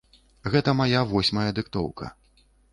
Гэта мая восьмая дыктоўка.